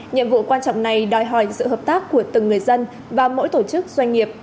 nhiệm vụ quan trọng này đòi hỏi sự hợp tác của từng người dân và mỗi tổ chức doanh nghiệp